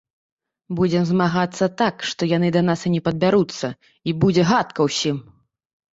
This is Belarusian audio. Будзем змагацца так, што яны да нас і не падбяруцца, і будзе гадка ўсім.